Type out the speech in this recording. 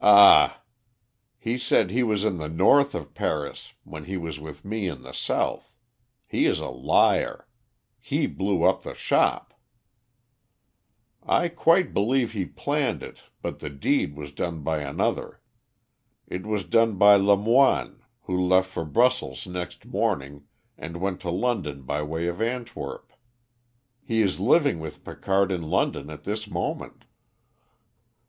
"Ah! He said he was in the north of Paris when he was with me in the south. He is a liar. He blew up the shop." "I quite believe he planned it, but the deed was done by another. It was done by Lamoine, who left for Brussels next morning and went to London by way of Antwerp. He is living with Picard in London at this moment."